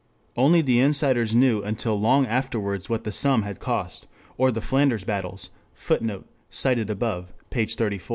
Only the insiders knew until long afterwards what the Somme had cost, or the Flanders battles; [Footnote: Op cit., p.